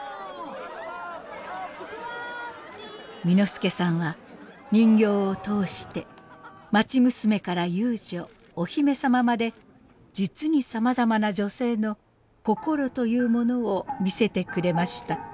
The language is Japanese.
簑助さんは人形を通して町娘から遊女お姫様まで実にさまざまな女性の心というものを見せてくれました。